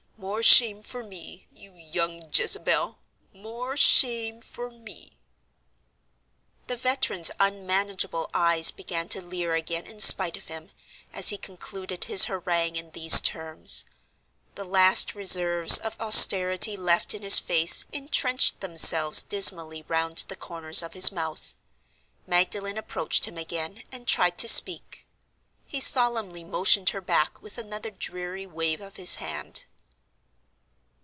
More shame for me, you young Jezebel—more shame for me!" The veteran's unmanageable eyes began to leer again in spite of him, as he concluded his harangue in these terms: the last reserves of austerity left in his face entrenched themselves dismally round the corners of his mouth. Magdalen approached him again, and tried to speak. He solemnly motioned her back with another dreary wave of his hand.